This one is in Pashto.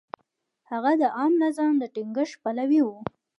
هغه د عامه نظم د ټینګښت پلوی و.